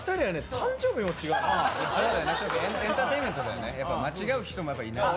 翔くんエンターテインメントだよねやっぱ間違う人もいないと。